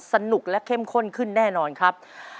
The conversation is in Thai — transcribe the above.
สนุกและเข้มข้นขึ้นแน่นอนครับ